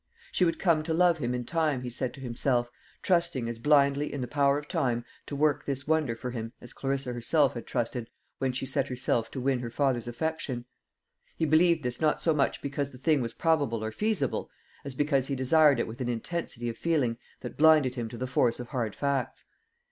She would come to love him in time, he said to himself, trusting as blindly in the power of time to work this wonder for him as Clarissa herself had trusted when she set herself to win her father's affection. He believed this not so much because the thing was probable or feasible, as because he desired it with an intensity of feeling that blinded him to the force of hard facts.